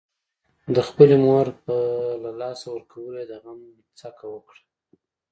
د خپلې مور په له لاسه ورکولو يې د غم څکه وکړه.